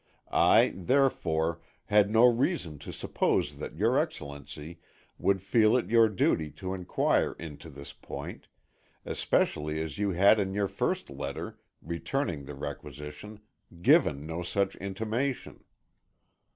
I, therefore, had no reason to suppose that your Excellency would feel it your duty to inquire into this point, especially as you had in your first letter, returning the requisition, given no such intimation.